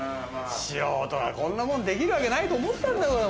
素人が、こんなもんできるわけないと思ったんだよ、俺も。